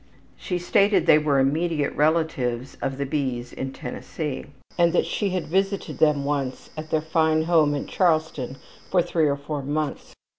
She stated they were immediate relatives of the B.'s in Tennessee, and that she had visited them once at their fine home in Charleston for three or four months.